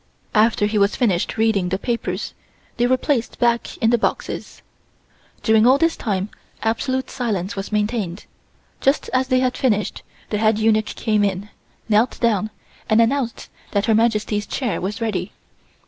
After he was finished reading the papers, they were placed back in the boxes. During all this time absolute silence was maintained. Just as they had finished the head eunuch came in, knelt down and announced that Her Majesty's chair was ready.